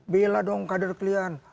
bela dong kader kalian